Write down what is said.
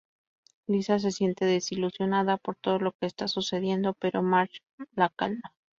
Lisa se siente desilusionada por todo lo que está sucediendo, pero Marge la calma.